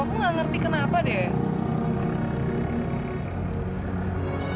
aku nggak ngerti kenapa deh